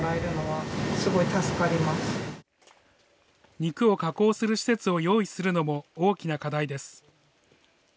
肉を加工する施設を用意するのも大きな課題です。